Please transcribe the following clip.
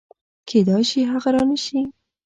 کېدای شي هغه رانشي